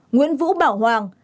một nguyễn vũ bảo hoàng